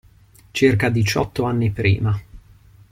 Circa diciotto anni prima.